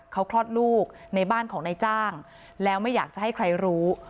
เขาคลอดลูกในบ้านของนายจ้างแล้วไม่อยากจะให้ใครรู้